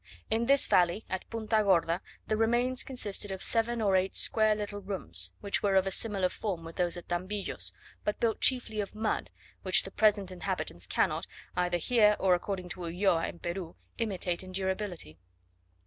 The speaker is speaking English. In this valley, at Punta Gorda, the remains consisted of seven or eight square little rooms, which were of a similar form with those at Tambillos, but built chiefly of mud, which the present inhabitants cannot, either here or, according to Ulloa, in Peru, imitate in durability.